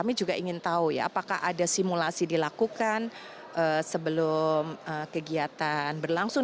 kami juga ingin tahu ya apakah ada simulasi dilakukan sebelum kegiatan berlangsung